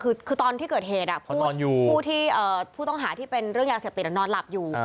คือตอนที่เกิดเหตุผู้ต้องหาที่เป็นเรื่องยาเสพติดนอนหลับอยู่